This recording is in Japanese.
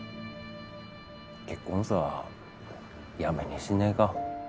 結婚さやめにしねぇが？